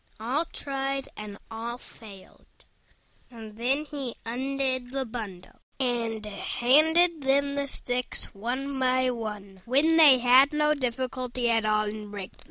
All tried and all failed: and then he undid the bundle, and handed them the sticks one by one, when they had no difficulty at all in breaking them.